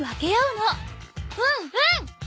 うんうん！